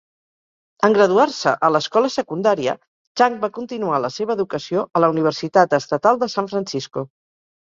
En graduar-se a l'escola secundària, Chang va continuar la seva educació a la universitat estatal de San Francisco.